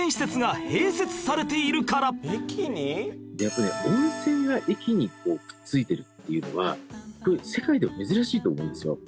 やっぱね温泉が駅にくっついてるっていうのは世界でも珍しいと思うんですよ。